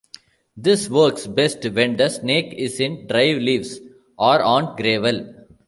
This works best when the snake is in dry leaves or on gravel.